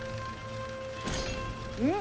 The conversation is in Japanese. うん？